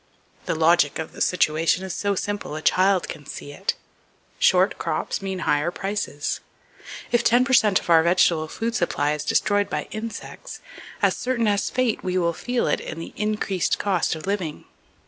The logic of the situation is so simple a child can see it. Short crops mean higher prices. If ten per cent of our vegetable food supply is destroyed by insects, as certain as fate we will feel it in the increased cost of living.